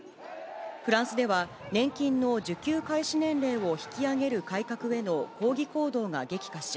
フランスでは、年金の受給開始年齢を引き上げる改革への抗議行動が激化し、